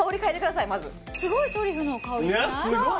すごいトリュフの香りしない？